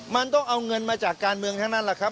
มันต้องเอาเงินมาจากการเมืองทั้งนั้นแหละครับ